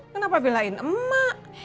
kenapa belain emak